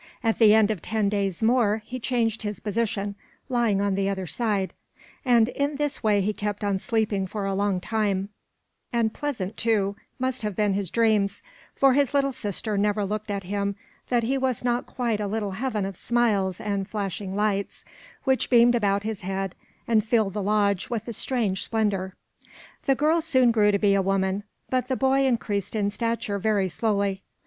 At the end of ten days more he changed his position, lying on the other side, and in this way he kept on sleeping for a long time; and pleasant, too, must have been his dreams, for his little sister never looked at him that he was not quite a little heaven of smiles and flashing lights, which beamed about his head and filled the lodge with a strange splendor. The girl soon grew to be a woman, but the boy increased in stature very slowly.